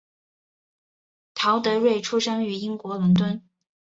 陶德瑞出生于英国伦敦。